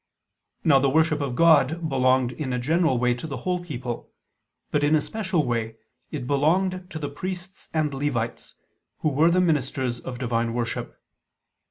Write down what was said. Now the worship of God belonged in a general way to the whole people; but in a special way, it belonged to the priests and Levites, who were the ministers of divine worship.